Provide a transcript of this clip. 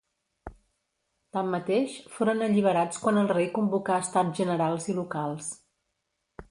Tanmateix, foren alliberats quan el rei convocà Estats Generals i Locals.